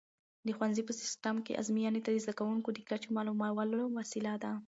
د ښوونځي په سیسټم کې ازموینې د زده کوونکو د کچې معلومولو وسیله ده.